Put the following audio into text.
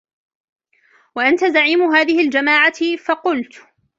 وَأَنْتَ زَعِيمُ هَذِهِ الْجَمَاعَةِ ؟ فَقُلْت